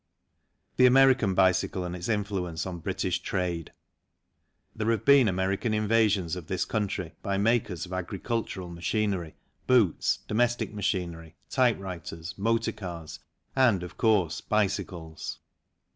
The American Bicycle and its Influence on British Trade. There have been American invasions of this country by makers of agricultural machinery, boots, domestic machinery, typewriters, motor cars, and, of course, bicycles.